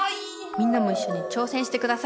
みんなもいっしょに挑戦してください。